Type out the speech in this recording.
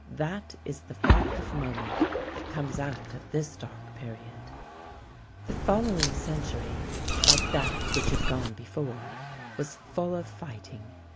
That is the fact of moment that comes out of this dark period. The following century, like that which had gone before, was full of fighting.